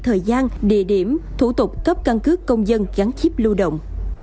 thời gian địa điểm thủ tục cấp căn cước công dân gắn chip lưu động